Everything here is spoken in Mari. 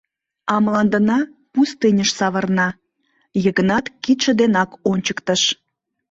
А мландына пустыньыш савырна, — Йыгнат кидше денак ончыктыш.